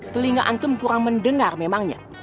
telinga antum kurang mendengar memangnya